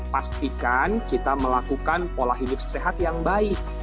pastikan kita melakukan pola hidup sehat yang baik